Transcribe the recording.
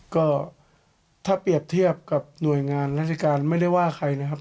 ก็ถ้าเปรียบเทียบกับหน่วยงานราชการไม่ได้ว่าใครนะครับ